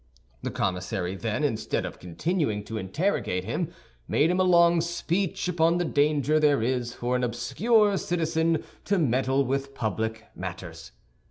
The commissary then, instead of continuing to interrogate him, made him a long speech upon the danger there is for an obscure citizen to meddle with public matters.